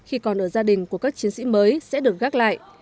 khi còn ở gia đình của các chiến sĩ mới sẽ được gác lại